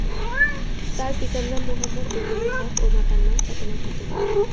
তার পিতার নাম মোহাম্মদ জহুরুল হক ও মাতার নাম ফাতেমা খাতুন।